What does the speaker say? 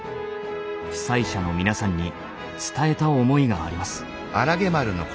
被災者の皆さんに伝えた思いがあります。